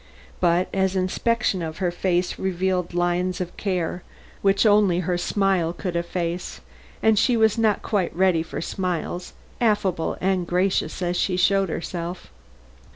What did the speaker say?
But an inspection of her face revealed lines of care, which only her smile could efface, and she was not quite ready for smiles, affable and gracious as she showed herself.